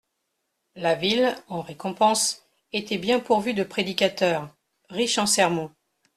La ville, en récompense, était bien pourvue de prédicateurs, riche en sermons.